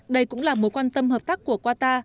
đây cũng là mối quan tâm hợp tác của qatar